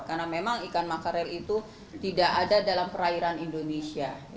karena memang ikan makarel itu tidak ada dalam perairan indonesia